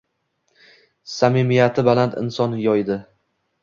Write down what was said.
Samimiyati baland inson yodi